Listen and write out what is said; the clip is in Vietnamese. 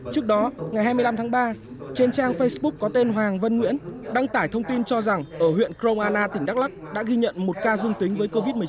trước đó ngày hai mươi năm tháng ba trên trang facebook có tên hoàng vân nguyễn đăng tải thông tin cho rằng ở huyện kroana tỉnh đắk lắc đã ghi nhận một ca dương tính với covid một mươi chín